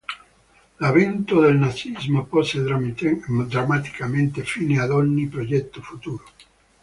L'avvento del nazismo pose drammaticamente fine ad ogni progetto futuro.